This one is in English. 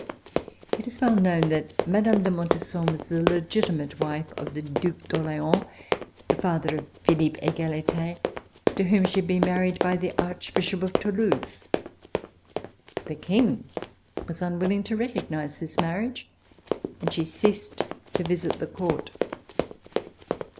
It is well known that Mme. de Montesson was the legitimate wife of the Due d'Orleans, the father of Philippe Egalite, to whom she had been married by the Archbishop of Toulouse. The King was unwilling to recognize this marriage, and she ceased to visit the Court.